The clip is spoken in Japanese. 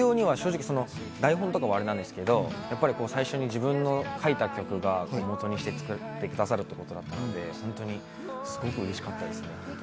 台本とかはあれなんですけど、最初に自分が書いた曲をもとにして作ってくださるということですごくうれしかったです。